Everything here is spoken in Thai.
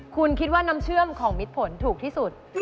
คุณคิดว่าน้ำเชื่อมของมิดผลถูกที่สุด